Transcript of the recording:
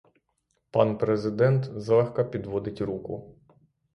Пан президент злегка підводить руку.